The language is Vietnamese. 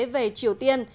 về triều tiên